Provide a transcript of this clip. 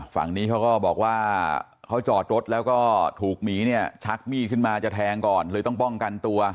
ฝั่งนี้เขาก็บอกว่าเขาจอดรถแล้วก็ถูกหมีเนี่ยชักมีดขึ้นมาจะแทงก่อนเลยต้องป้องกันตัว